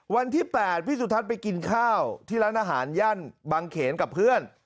วันที่๘พี่สุทัศน์ไปกินข้าวที่ร้านอาหารย่านบางเขนกับเพื่อน